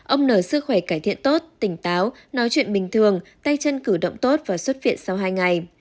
ông n sức khỏe cải thiện tốt tỉnh táo nói chuyện bình thường tay chân cử động tốt và xuất viện sau hai ngày